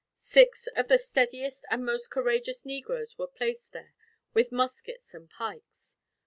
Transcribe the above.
Six of the steadiest and most courageous negroes were placed here, with muskets and pikes.